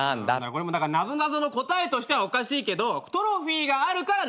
これもなぞなぞの答えとしてはおかしいけどトロフィーがあるから盗まれんの。